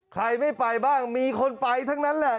ใครไม่ไปบ้างมีคนไปทั้งนั้นแหละ